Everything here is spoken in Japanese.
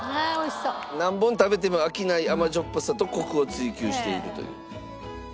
何本食べても飽きない甘じょっぱさとコクを追求しているという。